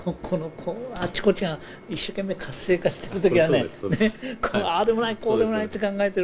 あちこちが一生懸命活性化している時はああでもない